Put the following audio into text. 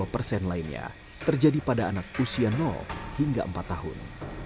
dua puluh persen lainnya terjadi pada anak usia hingga empat tahun